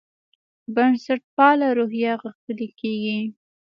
بنسټپاله روحیه غښتلې کېږي.